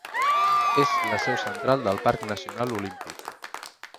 És la seu central del Parc Nacional Olímpic.